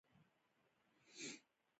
یو ځل ماښام چې کله راپاڅېدم، دا مې ونه لیدله.